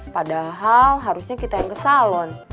padahal harusnya kita yang ke salon